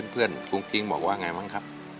เพื่อนกุ้งกิ้งบอกว่าไงบ้างครับ